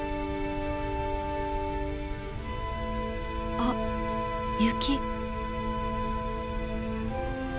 あっ雪。